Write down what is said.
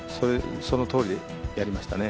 そのとおりやりましたね。